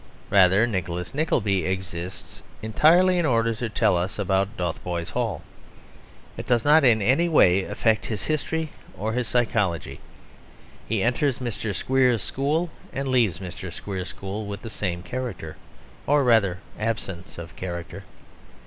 Rather Nicholas Nickleby exists entirely in order to tell us about Dotheboys Hall. It does not in any way affect his history or psychology; he enters Mr. Squeers's school and leaves Mr. Squeers's school with the same character, or rather absence of character.